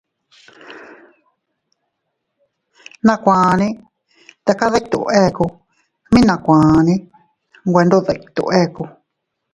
At nakuanne teka dittu, mi nakuane nwe ndo dittu eku.